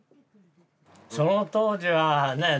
その当時はねえ